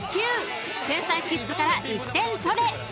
［天才キッズから１点取れ！］